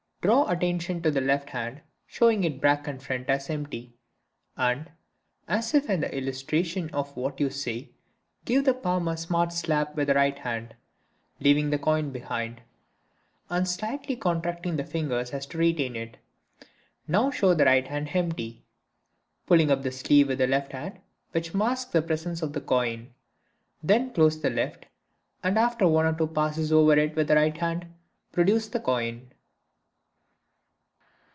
Draw attention to the left hand, showing it back and front as empty, and, as if in illustration of what you say, give the palm a smart slap with the right hand, leaving the coin behind, and slightly contracting the fingers so as to retain it; now show the right hand empty, pulling up the sleeve with the left hand which masks the presence of the coin, then close the left, and after one or two passes over it with the right hand, produce the coin.